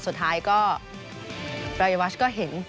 สุดท้ายก็ปรายวัชก็เห็น